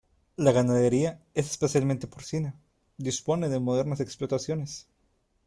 La ganadería es especialmente porcina, dispone de modernas explotaciones.